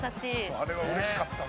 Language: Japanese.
あれはうれしかったな。